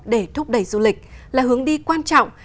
để thúc đẩy du lịch là hướng đi quan trọng